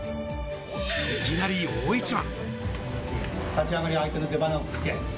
いきなり大一番。